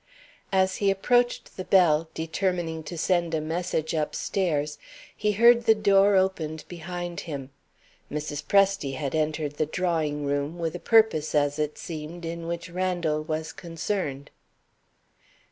As he approached the bell, determining to send a message upstairs, he heard the door opened behind him. Mrs. Presty had entered the drawing room, with a purpose (as it seemed) in which Randal was concerned.